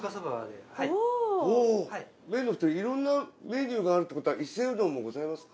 「めんの太いいろんなメニューが」ってことは伊勢うどんもございますか？